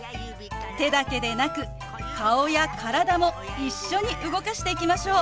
手だけでなく顔や体も一緒に動かしていきましょう！